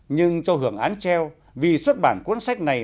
nhưng cho hưởng án treo vì xuất bản cuốn sách này